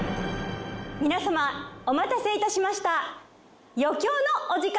皆様お待たせいたしました余興？